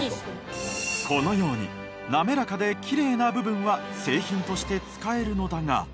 このように滑らかでキレイな部分は製品として使えるのだが。